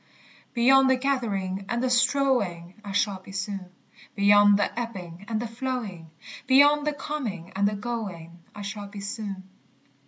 Beyond the gathering and the strowing I shall be soon; Beyond the ebbing and the flowing. Beyond the coming and the going, I shall be soon.